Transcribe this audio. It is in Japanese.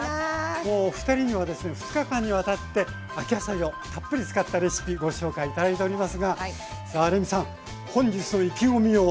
お二人にはですね２日間にわたって秋野菜をたっぷり使ったレシピご紹介頂いておりますがさあレミさん本日の意気込みを。